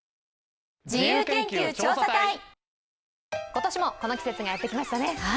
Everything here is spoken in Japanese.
今年もこの季節がやってきましたね。